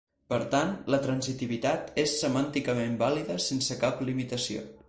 Per tant, la transitivitat és semànticament vàlida sense cap limitació.